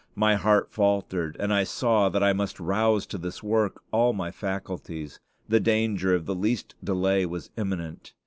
My heart faltered, and I saw that I must rouse to this work all my faculties. The danger of the least delay was imminent.